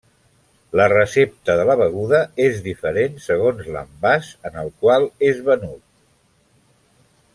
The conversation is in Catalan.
La recepta de la beguda és diferent segons l'envàs en el qual és venut.